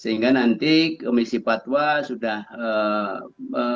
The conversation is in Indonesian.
sehingga nanti komisi patwa sudah mendapatkan banyak masukan dari komisi pengkajian